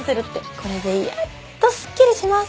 これでやっとすっきりします。